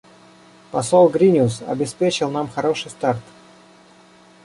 Посол Гриниус обеспечил нам хороший старт.